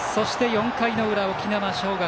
４回の裏、沖縄尚学。